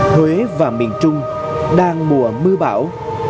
huế và miền trung đang mùa mưa bão